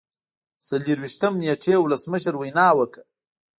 څلور ویشتم نیټې ولسمشر وینا وکړه.